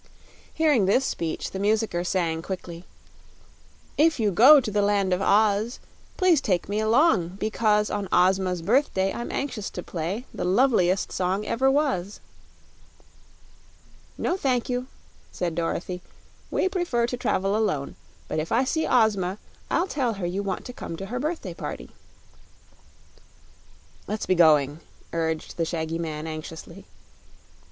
Hearing this speech the musicker sang, quickly: If you go to the Land of Oz Please take me along, because On Ozma's birthday I'm anxious to play The loveliest song ever was. "No thank you," said Dorothy; "we prefer to travel alone. But if I see Ozma I'll tell her you want to come to her birthday party." "Let's be going," urged the shaggy man, anxiously.